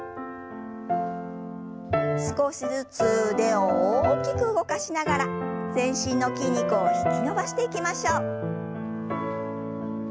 少しずつ腕を大きく動かしながら全身の筋肉を引き伸ばしていきましょう。